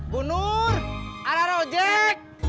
bu nur arah arah ojek